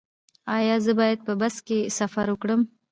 ایا زه باید په بس کې سفر وکړم؟